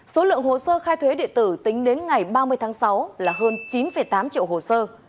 số lượng hồ sơ khai thuế địa tử tính đến ngày ba mươi tháng sáu là hơn chín tám triệu hồ sơ